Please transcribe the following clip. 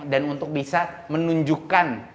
dan untuk bisa menunjukkan